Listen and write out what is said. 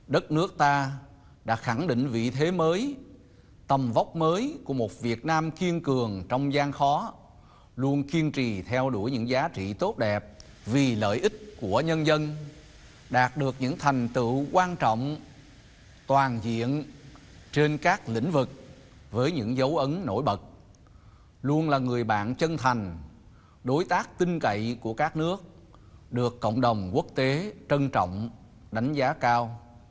đất nước ta đã khẳng định vị thế mới tầm vóc mới của một việt nam kiên cường trong gian khó luôn kiên trì theo đuổi những giá trị tốt đẹp vì lợi ích của nhân dân đạt được những thành tựu quan trọng toàn diện trên các lĩnh vực với những dấu ấn nổi bật luôn là người bạn chân thành đối tác tinh cậy của các nước được cộng đồng quốc tế trân trọng đánh giá cao